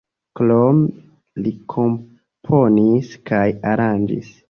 Krome li komponis kaj aranĝis.